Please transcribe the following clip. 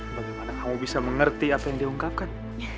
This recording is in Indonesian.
bagaimana kamu bisa mengerti apa yang diungkapkan